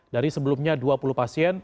dari sebelumnya dua puluh pasien